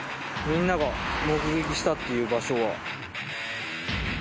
みんなが目撃したっていう場所は。